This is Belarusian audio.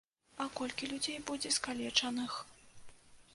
А колькі людзей будзе скалечаных.